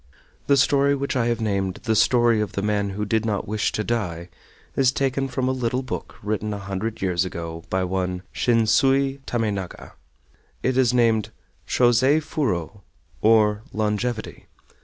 The story which I have named "The Story of the Man who did not Wish to Die" is taken from a little book written a hundred years ago by one Shinsui Tamenaga. It is named Chosei Furo, or "Longevity."